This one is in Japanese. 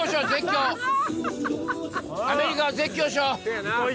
「アメリカ」を絶叫しよう。